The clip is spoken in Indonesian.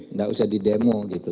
nggak usah di demo gitu